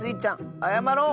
あやまろう！